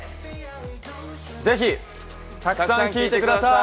◆ぜひ、たくさん聴いてください。